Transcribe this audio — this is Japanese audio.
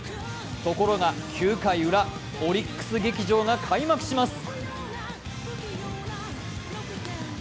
ところが、９回ウラ、オリックス劇場が開幕します。